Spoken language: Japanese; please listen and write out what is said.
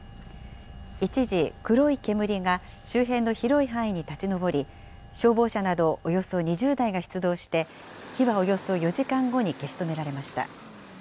一時、黒い煙が周辺の広い範囲に立ち上り、消防車などおよそ２０台が出動して、火はおよそ４時間後に消し止められました。